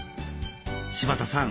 柴田さん